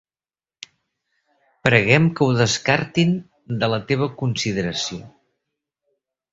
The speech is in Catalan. Preguem que ho descartin de la teva consideració.